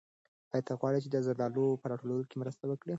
آیا ته غواړې چې د زردالیو په راټولولو کې مرسته وکړې؟